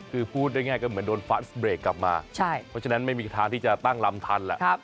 คือพูดง่ายก็เหมือนโดนฟันสเบรกกลับมาเพราะฉะนั้นไม่มีทางที่จะตั้งลำทันแหละ